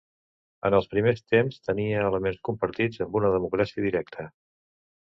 En els primers temps, tenia elements compartits amb una democràcia directa.